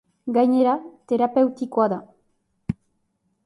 Gainera, terapeutikoa da.